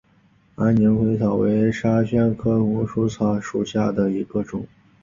安宁薹草为莎草科薹草属下的一个种。